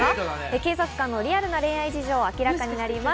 警察官のリアルな恋愛事情が明らかになります。